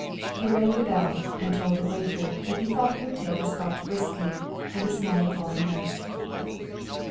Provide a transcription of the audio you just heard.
He rang the bell and told the waiter that he thought he would take a Scotch whisky and a small Apollinaris.